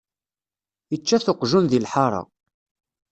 Ičča-t uqjun di lḥara.